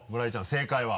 正解は？